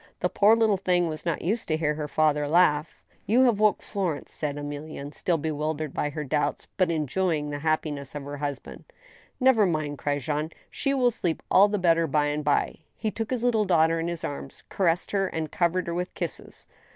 The poor little thing was not used to hear her father laugh. " You have woke Florence," said Emilienne. still bewildered by her doubts, but enjoying the happiness of her husband. " Never mind," cried Jean. " She will sleep all the better by and by." He took his little daughter in his arms, caressed her, and covered her with kisses.